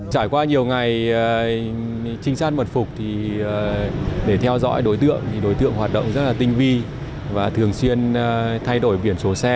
trải qua nhiều ngày trinh sát mật phục để theo dõi đối tượng đối tượng hoạt động rất tinh vi và thường xuyên thay đổi biển số xe